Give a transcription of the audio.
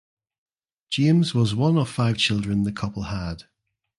James was one of five children the couple had.